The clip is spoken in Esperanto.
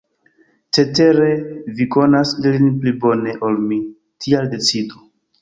Cetere vi konas ilin pli bone ol mi, tial decidu.